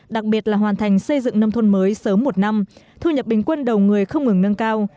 đặc biệt là hoàn thành xây dựng nông thôn mới sớm một năm thu nhập bình quân đầu người không ngừng nâng cao